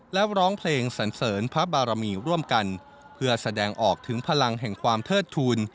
และร้องเพลงสันเสริญพระบารมีร่วมกันเพื่อแสดงออกถึงพลังแห่งความเทิดทูล